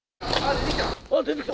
出てきた！